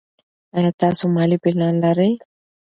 ایا تاسو مالي پلان لرئ.